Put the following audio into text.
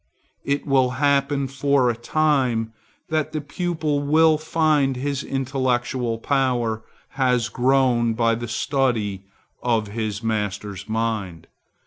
It will happen for a time that the pupil will find his intellectual power has grown by the study of his master's mind.